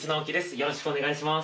よろしくお願いします。